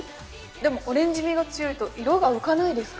でもオレンジみが強いと色が浮かないですか？